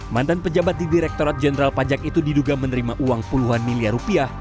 mantan pejabat di direktorat jenderal pajak itu diduga menerima uang puluhan miliar rupiah